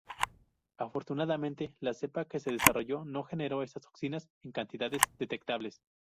Afortunadamente la cepa que se desarrolló no generó estas toxinas en cantidades detectables.